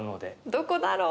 どこだろう？